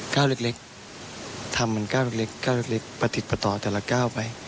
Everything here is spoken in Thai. ก้าวเล็กทำเป็นก้าวเล็ก๙เล็กประติดประต่อแต่ละก้าวไป